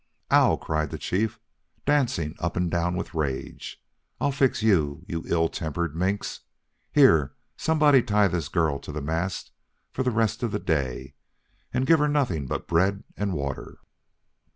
"Ow!" cried the chief, dancing up and down with rage. "I'll fix you, you ill tempered minx. Here, somebody, tie this girl to the mast for the rest of the day, and give her nothing but bread and water."